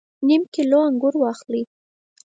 نیم کیلو انګور واخلئ